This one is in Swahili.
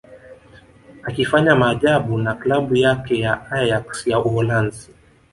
akifanya maajabu na klabu yake ya Ajax ya Uholanzi